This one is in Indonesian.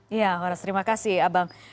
iya horas terima kasih abang